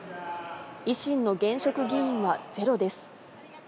維新の現職議員はゼロです。